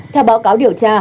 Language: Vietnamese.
theo báo cáo điều tra